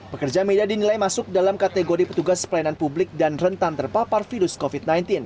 pekerja media dinilai masuk dalam kategori petugas pelayanan publik dan rentan terpapar virus covid sembilan belas